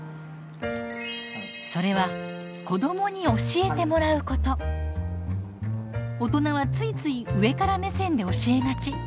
それは大人はついつい上から目線で教えがち。